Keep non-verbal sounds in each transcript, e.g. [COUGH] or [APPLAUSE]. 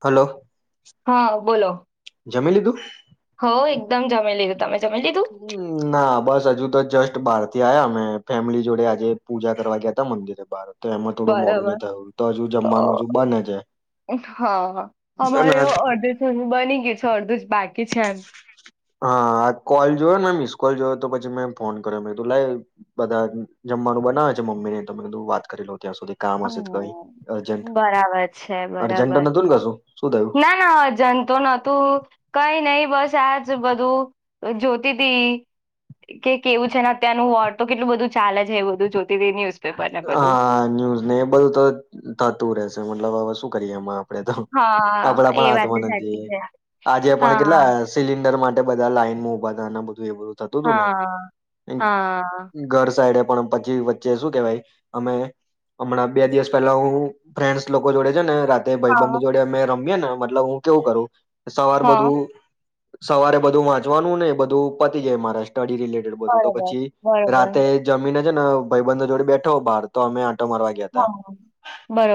Hello. હા, બોલો. જમી લીધું. હો એકદમ જમે લીધું તમે જમી લીધું હ ના બસ હજુ તો જસ્ટ. બારથી આયા અમે ફેમિલી જોડે આજે પૂજા કરવા ગયા ત મંદિરે બાર બરોબર હજુ બને છે હા અને અમારે અડધું બની ગયું છે અડધું જ બાકી કે છેન હા આ કોલ જોયો ને મેં મિસ કોલ જોયો તો પછી મેં ફોન કર્યો મે કીધું લઈ બધા જમવાનું બનાવે છે મમ્મી ને તો મે કીધું વાત કરી લ હમ બરાબર છે અર્જન્ટ બરાબર નતું ને છે કશું શું થયું ના ના અજન તો નોતું કઈ નહ બસ જ બધું જોતી હતીી કે કેવું છે ને અત્યારનું વોર તો કેટલું બધું ચાલે છે એ બધું જોતી ન્યુઝપેપર ને બધું હા ન્યૂઝ ને એ બધું તો થતું રહેશે મતલબ હવે શું કરીએ એમાં તો હા કપડા એ પણ વાત તો હાથમાં નથી સાચી છે આજે પણ હા કેટલા સિલિન્ડર માટે બધા લાઈન મો બના એ બધું થતું હતું હા ને હા ઘર સાઈડ પણ પછી વચ્ચે શું કેવા અમે હમણાં બે દિવસ પેલા હું ફ્રેન્ડસ લોકો જોડે છે ને તે ભાઈ હા બંધ જોડે અમે રમ મ ને મતલબ હું કેવું કરું સવાર હા બધું સવારે બધું વાંચવાનું ને બધું પતી જાય મહારાષ્ટ્ર સ્ટડી રિલેટેડ બધું તો બરોબર પછી બરોબર રાતે જમીન ભાઈ બંધ જોડે બેઠો બહાર તો અમે રગયા હતા હા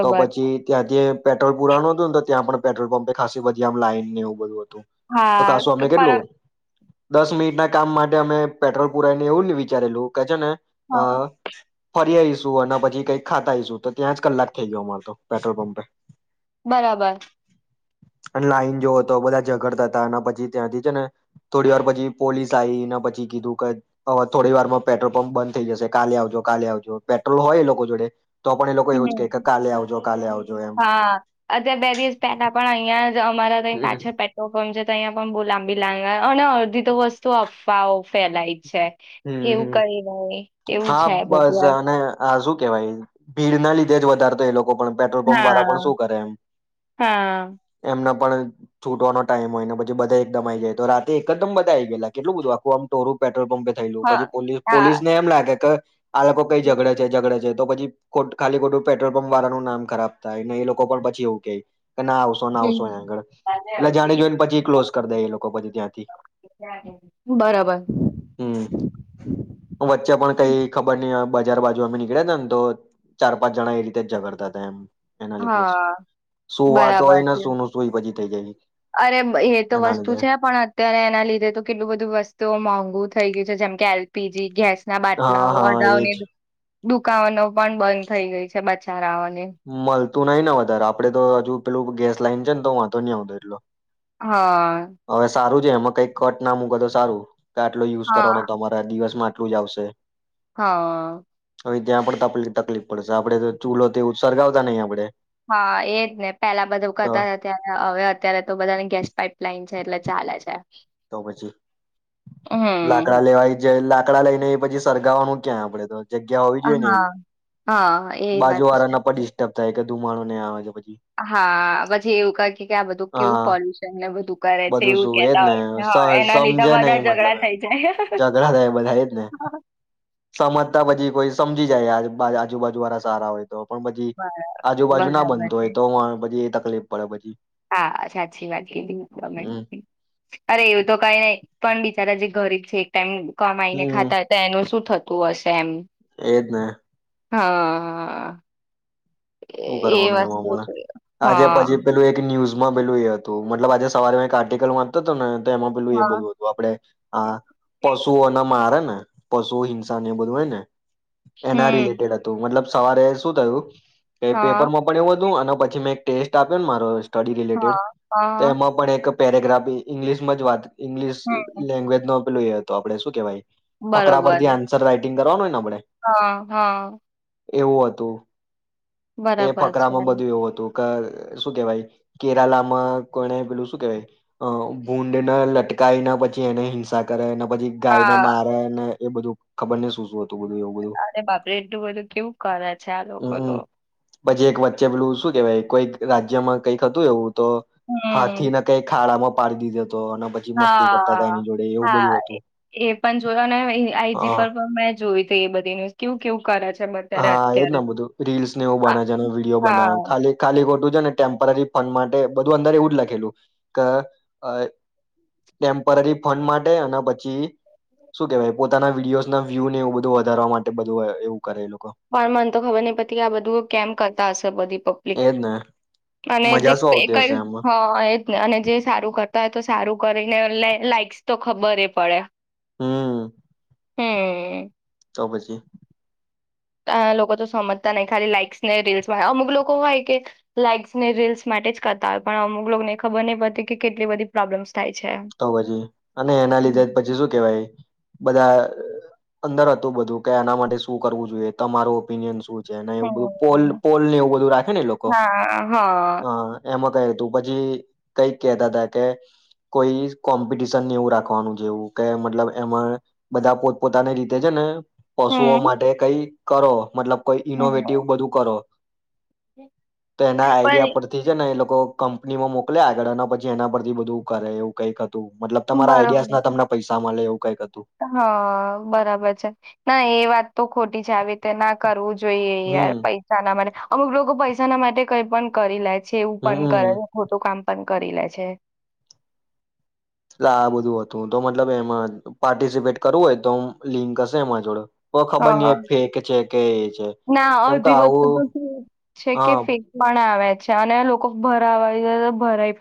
તો પછી ત્યાં જે પેટ્રોલુરા નો હતુંને્યા પણ પે્રોલ પપ ખી આમ લાઈનનેવું બધું હતું તો હા ખાસું અમે પર કેટલું દસ મિનિટ ના કામ માટે અમે પેટ્રોલ પુરાયને એવું જ નને વિચારેલું કે છે ને હા ફરી આવીઈશું અને પછી કઈક ખાતા આઈશું તો ત્યાં જ કલાક થઈ ગયો અમારે તો પેટ્રોલ પંપે બરાબર અને લાઈન જોો હતો બધા ઝઘડતા હતા અને પછી ત્યાંથી છે ને થોડી વાર પછી પોલીસ આવી પછી કીધું કે થોડી વાર પેટ્રોલ પંપ બંધ થઇ જશે કાલે આવજો કાલે આવજો જો પેટ્રોલ હોય એ લોકો જોડે તો પણ એ લોકો હ એવું જ કે કે કાલે આવજો કાલે આવજો એમ હા અધ બે દિવસ પેલા પણ અહીયા અમારા ત હમ પાછ પે્રોલં્પ છે તો અંયા પણ બુ લંબી લ અને અડધી તો વસ્તુ અવાઓ ફેલાય છે એવું હમ કરી હોય હા બસ અને હા શું કેવાય ભીડ ના લીધે જ વધારતો એ લોકો પેટ્રોલ પંપ વાળા પણ હા શું કરે હા એમના પણ છૂટવાનો ટાઈમ હોય પછી બધા એકદમ આ આવી જાય તો રાતે એકદમ બધા આવી ગેલા કેટલું બધું આખું આમ ટોરું પ પલ પંપે થયું હા પછી હા પોલીસને એમ લાગે તો આ લોકો કઈ ઝઘડે છે ઝડડા છે તો પછી ખાલી ખોટું પેટ્રોલ પંપ વાળાનું નામ ખરાબ થાય ને એ લોકો પણ પછી એવું કેય કે ના આવશો ના આવશો હમ. એ્યાં આગળ એટલે જાણે જોઈને પછી ક્લોઝ કરી દે એ લોકો બધી ત્યાંથી બરાબર હમ વચ્ચે પણ કઈ ખબર નહ બજાર બાજુ અમે નીકળ્યા હતા ને તો ચાર પાંચ જણા એ રીતે જ ઝગડતા હતા એમ એના લીધે હા શું વાત હોય બરાબર ને છે શું નું શું પછી થઈ જાય અરે એ તો એના વસ્તુ લીધે છે પણ અત્યારે એના લીધે તો કેટલું બધું વસ્તુ મોંઘુ થઈ ગયું છે જેમ કે એલપીજી ગેસ ના હા બાટલાઓ હા અધા ન એજ દુકાવાનો. પણ બંધ થઈ ગઈ છે. [UNINTELLIGIBLE] મલ. તું નઈ ને વધારે આપડે તો હજુ પેલું ગેસ લાઈન છે તો હું વાંધો નહીં આવ એટલો. હા. હવે સારું એમાં કઈક કટ ના મૂક તો સારું. આટલો યુઝ હા કરવાનો તમારા દિવસ માટે. એટલું જ આવશે. હા. હવે ત્યાં પણ તકલીફ પડશે આપડે ચૂલો. ઉત્સરગાાવતા નહીં આપડે. હા એજ ને પેલા બધા તો કરતા હતાત્યારે હવે અત્યારે તો બધા ગેસ પાપ લઇન છે એટલે ચાલે છે. તો પછી લાકડા હમ લેવાય જ લાક. આકડા લઈને એ પછી સ સરગાવવાનું ક્યાં આપડે તો. જગ્યા હોવી જોઈએ ને હા એવી હા એ બાજુ વાત તો છે વારાના પણ ડિસ્ટર્બ થાય. ધુમાણું ને આવે છે. પછી હા પછી એવું ક કે આ બધું કેવું હા પોલ્યુશન ને બધું કરે છે બધું એવું શું કેતા. એજ હોય છે ને હા એના લીધે સમજે બધા નહી મતલબ ઝઘડા એમ થઈ જાય ઝઘડા થ બધા જ ને સમજતા પછી કોઈ. સમજી જાય આજુ બાજુ વાળા સારા હોય. પણ પછી હ આજુબાજુ ના બરાબર બનતો છે હોય તો પછી. કલે બળ બજી. હા સાચી વાત કીધી ગમે. હમ અરે એવું તો કઈ નહી પણ બિચારા જે ઘરે જ છે એક ટાઈમ. કમાઈને ખાતા હો તો એનું શું થતું. તું અસ એમ. એ જ. હા હા. શું કરવાનું એમાં મળે આજે હા પછી પેલું એક ન્યુઝ. લું એ હતું મતલબ આજે સવારે આર્ટિકલ વાતો હતો ને. તો એમાં પેલું એ હા બધું હતું આપડણેે આ પશુઓના માર હે ને. પશુ હિંસા એ બધું હોય ને. એના હમ રિલેટેડ હતું મતલબ. સવારે શું થયું. એ પેપર હા માં પણ એવું હતું અને પછી મેં એક ટેસ્ટ આપ્યો ને મારો સ્ટડી હા રિલેટેડ હા એમાં પણ એક પેરાગ્રફ એ ઇંગ્લિશમાં જ વાત ઇંગ્લિશ હમ લેંગ્વેજ નો પેલ તો આપણે શું કેહેવાય પકરાબર બરોબર આન્સર રાઈટ કર કરવાવા નના હા હા એવું હતું તે બરાબર છે ફકરામાં બધું એવું હતું શું કેવાય કેરાલામાં કોને પેલું શું કેવાય ભૂડ ના લટકાય ના પછી એને હિંસા કરાય પછી ગાય ને હા મારે ને એ બધું ખબર ને શું શું હતું બધું એવું બધું અરે બાપરે એટલું બધું કેવું કરે છે આ લોકો તો હમ પછી એક વચ્ચે પેલું શું કેવાય કોઈક રાજ્યમાં કઈક હતું એવું તો હમ હાથી ના કઈ ખાડામાં પાર દી જ હા હા બધું હતું એ પણ જોયો ને આઈજી હા પર પણ મેં જોય ત એ બધી ન્યઝ કેું કેવું કરે છે અત્યારે હા એજ ને અત્યારે બધું રીલ્સ ને એું આ- બના છેનો વિડીયો બનાવ્યો હા ખાલી ખાલી ખોટું ને ટેમ્પરરી ફંડ માટે બધું અંદર એવું જ લખેલું ક અ ટેમ્પરરી ફંડ માટે અને પછી શું કેવાય પોતાના વિડીયોઝ ના વ્યુ ને એવું બધું વધારવા માટે બધું એવું કરેલું. પણ મન તો ખબર નહી પતિ આ બધું કેમ કરતા હશે બધી પ્લિક એજ ને અને એ જે મજા શું આવતી કઈ હશે એમાં હ એજ ને સારું કરતા હોય તો સારું. કરીને એ લાઈક્સ તો ખબર પડે. હમ્મ. હમ્મ. તો પછી. અ લોકો તો સમજતા નઈ ખાલી લાક્સ ને રીલ્સમાં અમુક લોકો હોય કે લાાઈક્સ ને રીલ્સ માટે જ કરતા હોય પણ અમુક લોકોને ખબર નહ પડતી કે કેટલી બધી પ્રોબ્લેમ્સ. થાય છે તો પછી અને એના લીધે પછી શું કેવાય બધા. અંદર હતું બધું કે આના માટે શું કરવું જોઈએ તમારું ઓપિનિયન શું? જે એવું બધું પોલ હમ પોલ ને એવું બધું રાખે ને લોકો હા હ હા એમાં ક તું પછી કઈક કેતા હતા કે. કોઈ કોમ્પિટિશન એવું રાખવાનું જેવું કે મતલબ એમાં બધા પોતપોતાની રીતે છે ને પશુઓ હમ માટે કઈ કરો મતલબ. કોઈ હમ ઈનોવેટિવ બધું કરો. તો એના આઈડિયા પણ પરથી છે ને એ લો કંપનીમાં મોકલ આગળ પછી એના પરથી બધું. કરે એવું કઈક. મતલબ તમારા આઈડિયાઝ ના બરોબર તમને પૈસા મલે એ કઈ હા બરાબર છે ના એ વાત. તો ખોટી જાવ તે ના કરવું જ જોઈએ યાર હમ પૈસા ના મને અમુક લોકો પૈસા ના માટે કઈ પણ કરી લે. જેવું હમ પણ હમ. કરે ખોટું કામ પણ. કરી લે છે. એ આ બધું હતું તો મતલબ એમાં પાર્ટિસિપેટ કરવું હોય તો લિંક હશે એમાં જોડે. તો ખબર નહ હા ફેક છે કે એ છે ના કેમ કે અડધી આવું વસ્તુ તો છે કે હા ફેકવા આવે છે અને લોકો. ભરાવા ભરાય.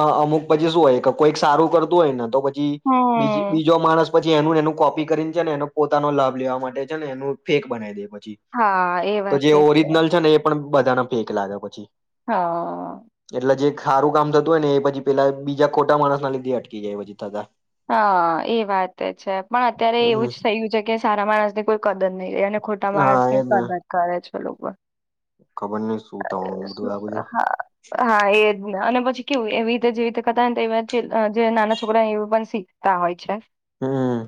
હ અમુક પછી શું હોય કોઈક સારું કરતું હોય ને તો પછી બી હમ બીજો માણસ પછી એનું એનું. કોપી કરીને છે ને એનો પોતાનો લાભ લેવા માટે છે ને એનું ફેક બનાવી દે પ જી હા એ તો વાત જે જ ઓરિજનલ છે ને એ પણ બધા ના ફેક લાગે પછી. હા. એટલે જે સારું કામ થતું હો ને એ પછી પેલા બીજા ખોટા માણસ ના લીધે અટકી ગયા એ પછી થતા હા એ વાત છે પણ અત્યારે એવું હમ જ થયું છે કે સારા માણસ ની કોઈ કદર નઈ અને ખોટા માણસ હા ની એજ ને કદર કરે છે. બલોબા. ખબર નહ શું અ થવાનું બધું શું આ બધું હા હા. હા, એ જ ને અન પછી કેવું એવી ઈતે જેવી ઈતે કરતા હ ન તો એ જે નાના છોકરા એ પણ શીખતા હોય છે. હમ્મ.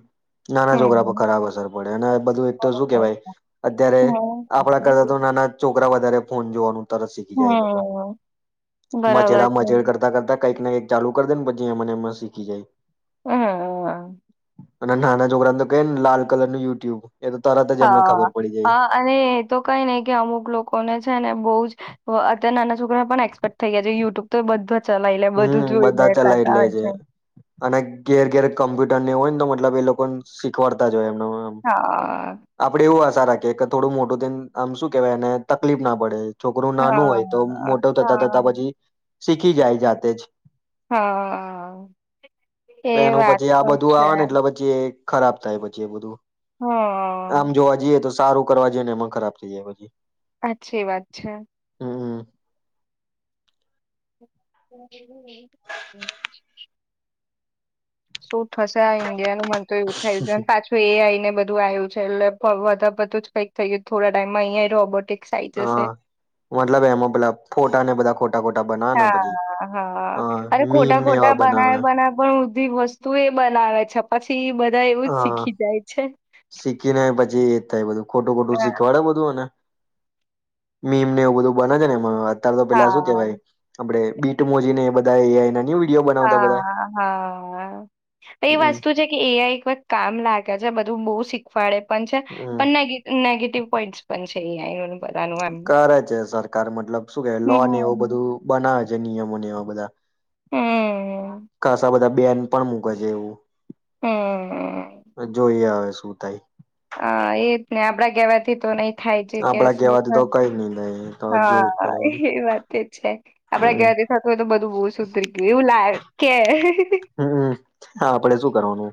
નાના છોકરા પર હમ ખરાબ અસર પડે અને બધું એક તો શું કેવાય અત્યારે આપણા કરતા બરાબર. તો નાના છોકરા વધારે ફોન જોવાનું તરત શીખી હમ જાય એ લોકો. હમ બરાબર મચેડા મચેડ છે કરતા કરતા કંઈક ના કંઈક ચાલુ કર દે ન પછી એમાં નેમાં શીખી જાય. હનઅ. અને નાના છોકરા તો કે ન લાલ કલરનું યુટ્યુબ એ તો તરત જ એમને ખબર હા. પડી જાય હા અને એ તો કંઈ નઈ કે અમુક લોકોને છે ને બો જ વ અત્યારે નાના છોકરા પણ એક્સપર્ટ થઈ ગયા છે. યુટ્યુબ તો બધા જ ચલાઈ લે, બધું હમ જોઈ લે બધા ચલાવી કરતા લે હોય છે. અને ઘેર ઘેર કમ્પ્યુટર ને હોય ને તો મતલબ એ લોકો ને શીખવાડતા જ એમનો એમ. હા આપડે એવું આશા રા કે ક થોડું મોટું થય ન આમ શું કેવાય એને તકલીફ ના પડે. છોકરું નાનું હા હોય તો મોટ થતા થતા હા પછી શીખી જાય જા તે જ. હાઅ. એ એનું વાત પછી આ તો બધું છે. આવે ને એટલે પછી એ ખરાબ થાય પછી એ બધું. હઅ. આમ જોવા જઈએ તો સારું કરવા જઈએ ને એમાં ખરાબ થઈ જાય પછી. અચ્છી વાત છે. હમ્મ. [INAUDIBLE] શું થશે આ ઇન્ડિયાનું મન તો એવું થાય છે પાછું એ આઈ ને બધું આયુ. છે એલલે પ વધા પડતું જ કઈક થઈ ગયું છ. થોડા ટાઈમમાં અહીંયાય રોબોટિક હા, મતલબ એમાં પેલા ફોટાને બધા ખોટા ખોટા બનાવે ને પછી હાઅ હઅ. હા અરે મીમ ખોટા ને ખોટા એવા બનાવે બનાવે પણ ઉધી વસ્તુ એ બનાવે છે. પછી બ ધા એવું જ હા શીખી જાય છે. શીખીને પછી એ જ થાય બધું. ખોટું ખોટું હા શીખવાડે બધું અને મીન ને એવું બધું બને છે ને [UNINTELLIGIBLE] અ તો પેલા શું હા કેવાય આપડે બીટ મોજી ને એ બધા એ આય ના ની હોય હા હા એ હમ વસ્તુ છે કે એ આય પણ કામ લાગે છે બધું બો શીખ શીખવાડે પણ છે હમ પણ નેગેટિવ નેગેટિવ પોઈન્ટસ પણ છે. એ આય એવું કરે છે સર સરકાર મતલબ શું કે લોન એવું હમ બધું બનાવે છે. નિયમો ને એવા બધા હમ કસા બધા બેન પણ મૂકે છે એવું હમ જોઈ આવે છે. શું થાય? હા એજ ને આપડા કેવાથી તો નય થાય છે કેસ આપડા બી કેવાથી થાય. તો કઈ નઈ થાય તો જોવું જ હા પડે એ બધું વાત તો છે આપડા હમ કેવા થી થતું હોય તો બધું બો [UNINTELLIGIBLE] સુ એવુ લય કે હમમ હા આપડે શું કરવાનું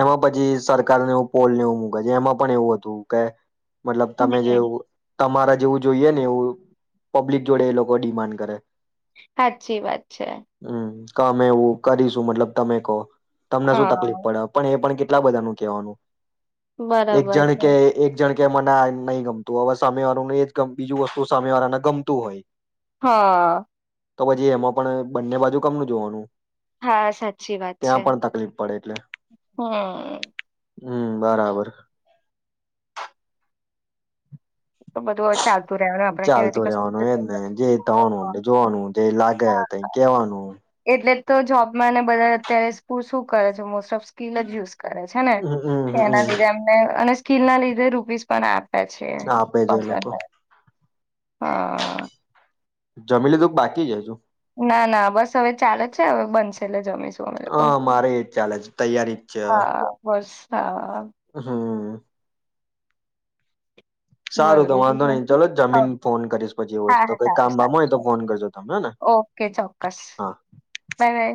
એમાં પછી સરકારને એવ પોલ ને એવું મુૂકે એમાં પણ એવું હતું કે મતલબ હમ તમે જેવું તમારા જેવું જોઈએ ને એવું પબ્લિક જોડે એ લોકો ડિમાન્ડ કરે. સાચી વાત છે. કમે એવું કરીશ. મતલબ તમે કોહ. તમને શું તકલીફ હા. પડે પણ એ પણ કે કેટલા બધા નું કેવાનું એક બરાબર જણ છે. કે એક જણ કે મને આ નહી ગમતું. હવે સામે વાળું એ જ બીજું વસ્તુ સામે વાળાને ગમતું હોય. હા. તો પછી એમાં પણ બંને બાજુ કમનું જોવાનું. હા સાચી વાત ત્યાં છે. પણ તકલીફ પડે હમમ હમમ બરાબર. તો બધું ચાલતું રહેવાનું આપડે ચાલતો કહેવાથી કશું રેવાનું એજ ને જે થવાનુંમ જોવાનું જે લાગ હા એટલે તો જોબમાં ને બધા અત્યારે તું શું કરે છે મોસ તમ સ્કીલ નથી યુઝ કરે છે ને હમ કે હમ એના હમ લીધે અમને અને કિલ્લના લીધે રૂપીસ પણ આપ આપે છે એ લોકો. હા. જમી લીધું કે બાકી છે હજું? ના, ના બસ હવે ચાલે જ છે હવે બનશે એટલે જમીશું અમે લોકો. હા મારે એજ ચાલે છે તૈયારી હા બસ. હા. હમ્મ. [INAUDIBLE] સારું તો બરોબર વાંધો નઈ ચલોન જમીન હા ફોન કરીશ પછી એવું હશે તો, હા કઈ સારું કામ બામ સારું હોય તો ચાલ ફોન કરજો તમે હેને. ઓકે ચોક્કસ હા. Bye bye